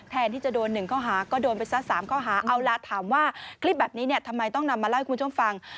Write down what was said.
แทนที่จะโดน๑ข้อหาก็โดนไปซะ๓ข้อหาเอาล่ะถามว่าคลิปแบบนี้เนี่ยทำไมต้องนำมาเล่าให้คุณผู้ชมฟัง